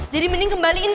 jadi mending kembaliin